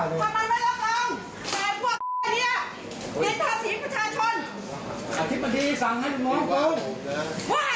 เธอไม่ได้รู้ว่าดินพักะโหนนะเป็นอะไร